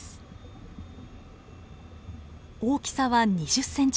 大きさは２０ｃｍほど。